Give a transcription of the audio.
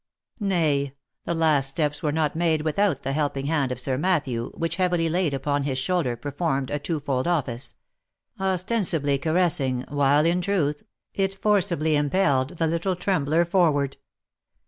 Nay, the last steps were not made without the helping hand of Sir Matthew, which heavily laid upon his shoulder performed a twofold office ; ostensibly ca 70 THE LIFE AND ADVENTURES ressing, while, in truth, it forcibly impelled the little trembler for ward.